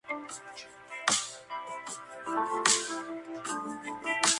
Aparte de sal y pimienta, suele llevar perejil picado.